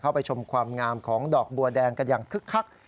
ไปชมความงามของดอกบัวแดงกันอย่างคึกคัก